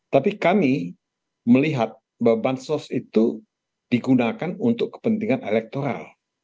tapi kami melihat bahwa bansos itu digunakan untuk kepentingan elektoral